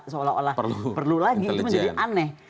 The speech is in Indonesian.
seolah olah perlu lagi itu menjadi aneh